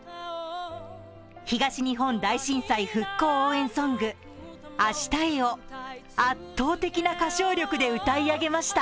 東日本大震災復興応援ソング「明日へ」を圧倒的な歌唱力で歌い上げました。